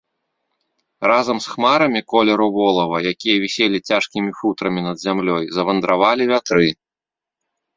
Разам з хмарамі колеру волава, якія віселі цяжкімі футрамі над зямлёй, завандравалі вятры.